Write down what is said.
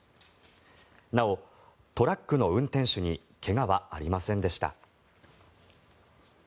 なお、トラックの運転手に怪我はありませんでした。